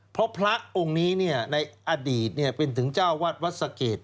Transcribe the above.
เพราะพระองค์นี้ในอดีตเป็นถึงเจ้าวัดวัดสะเกด